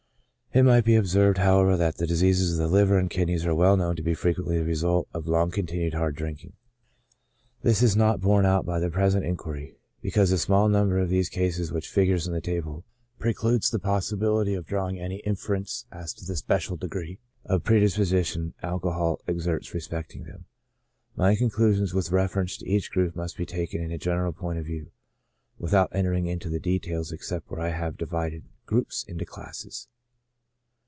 It might be observed, however, that diseases of the liver and kidneys are well known to be frequently the result of long continued hard drinking. This is not borne out by AS PREDISPOSING TO DISEASE. 165 the present inquiry, because the small number of these cases which figures in the table precludes the possibility of drawing any inference as to the special degree of predispo sition alcohol exerts respecting them. My conclusions with reference to each group must be taken in a general point of view, without entering into the details, except where I have divided groups into classes.